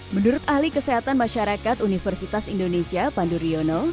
menurut ahli kesehatan masyarakat universitas indonesia panduryono